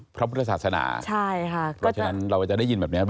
พระพุทธศาสนา